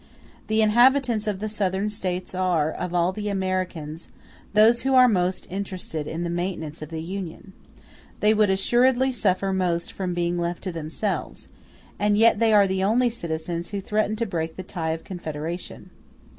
The inhabitants of the Southern States are, of all the Americans, those who are most interested in the maintenance of the Union; they would assuredly suffer most from being left to themselves; and yet they are the only citizens who threaten to break the tie of confederation.